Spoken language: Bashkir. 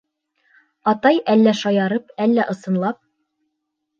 Атай әллә шаярып, әллә ысынлап: